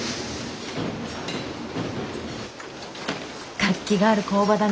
活気がある工場だね。